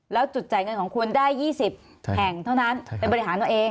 แล้วจุดจ่ายเงินของคุณได้๒๐แห่งเท่านั้นไปบริหารตัวเอง